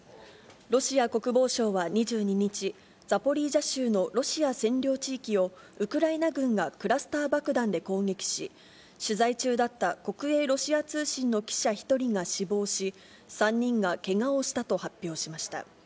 ロシア国防省は２２日、ザポリージャ州のロシア占領地域をウクライナ軍がクラスター爆弾で攻撃し、取材中だった国営ロシア通信の記者１人が死亡し、３人がけがをしたと発表しました。